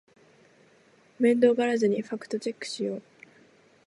面倒がらずにファクトチェックしよう